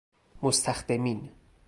مستخدمین